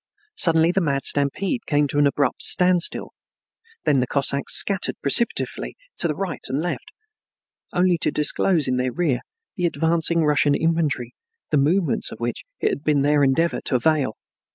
Suddenly the mad stampede came to an abrupt standstill, and then the Cossacks scattered precipitately to the right and left, only to disclose in their rear the advancing Russian infantry, the movements of which it had been their endeavor to veil.